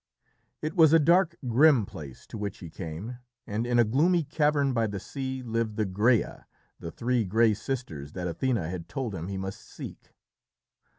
It was a dark grim place to which he came, and in a gloomy cavern by the sea lived the Graeæ, the three grey sisters that Athené had told him he must seek.